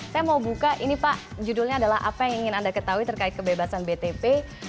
saya mau buka ini pak judulnya adalah apa yang ingin anda ketahui terkait kebebasan btp